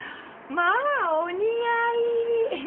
まあお似合い！